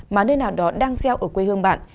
mà nơi nào đó đang gieo ở quê hương bạn